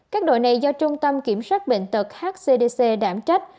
các đội này do trung tâm kiểm soát bệnh tật hcdc đảm trách